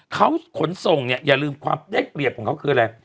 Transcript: เขาขนส่งเนี่ยอย่าลืมความได้เปรียบของเขาคืออะไร